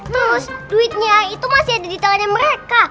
terus duitnya itu masih ada di tangannya mereka